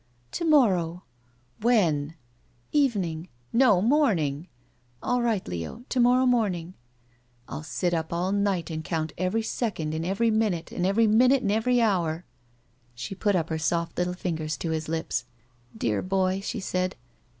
Now!" "To» morrow." "When?" "Evening." *'No, morning." "All right, Leo— to morrow morning '" "I'll sit up all night and count every second in every minute and every minute in every hour." She put up her soft little fingers to his lips. *'Dear boy," she said.